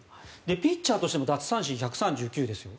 ピッチャーとしても奪三振１３９ですよ。